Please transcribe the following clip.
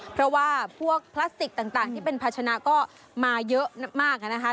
เพราะว่าพวกพลาสติกต่างที่เป็นภาชนะก็มาเยอะมากนะคะ